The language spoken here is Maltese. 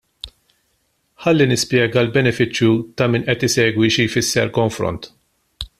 Ħalli nispjega għall-benefiċċju ta' min qed isegwi xi jfisser konfront.